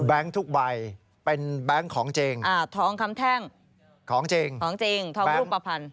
แบงค์ทุกวัยเป็นแบงค์ของจริงทองคำแท่งของจริงทองรูปประพันธ์